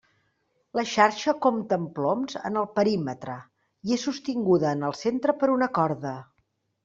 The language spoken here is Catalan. La xarxa compta amb ploms en el perímetre i és sostinguda en el centre per una corda.